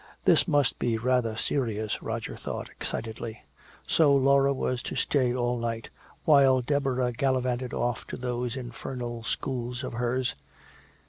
This must be rather serious, Roger thought excitedly. So Laura was to stay all night, while Deborah gallivanted off to those infernal schools of hers!